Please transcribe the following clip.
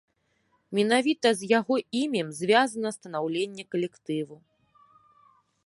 Менавіта з яго імем звязана станаўленне калектыву.